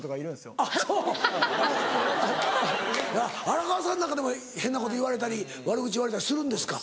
荒川さんなんかでも変なこと言われたり悪口言われたりするんですか？